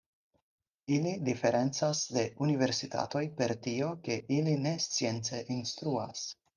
Ili diferencas de universitatoj per tio, ke ili ne science instruas.